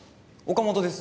岡本です。